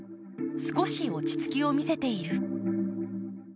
少し落ち着きを見せている。